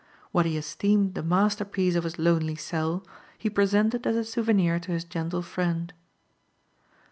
What he esteemed the masterpiece of his lonely cell he presented as a souvenir to his gentle friend.